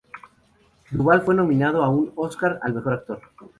Duvall fue nominado a un Óscar al Mejor Actor.